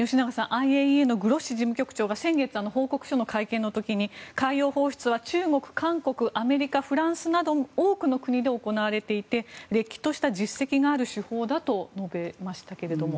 ＩＡＥＡのグロッシ事務局長が先月、報告書の会見の時に海洋放出は中国、韓国アメリカ、フランスなど多くの国で行われていてれっきとした実績がある手法だと述べていましたけども。